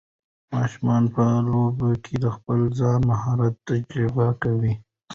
ماشومان په لوبو کې د خپل ځان مهارت تجربه کوي.